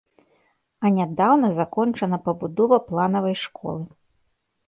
А нядаўна закончана пабудова планавай школы.